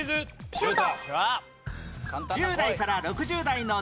シュート！